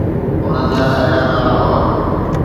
انهن جا اهڙا نالا هئا.